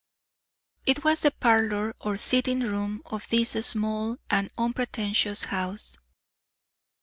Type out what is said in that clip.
It was the parlour or sitting room of this small and unpretentious house.